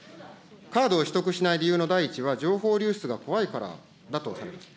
カードを取得しない理由の第１は、情報流出が怖いからだと思います。